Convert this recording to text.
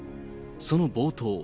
その冒頭。